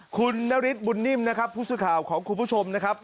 คุณนฤทธบุญนิ่มนะครับผู้สื่อข่าวของคุณผู้ชมนะครับ